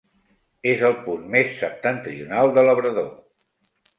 És el punt més septentrional de Labrador.